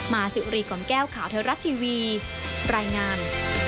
มาสิวรีกรมแก้วข่าวเทวรัฐทีวีรายงาน